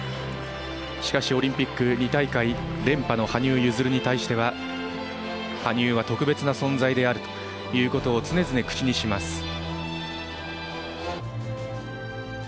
しかし、オリンピック２大会連覇の羽生結弦に対しては羽生は特別な存在であるということを常々、口にします。